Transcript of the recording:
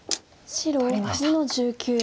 白２の十九ハネ。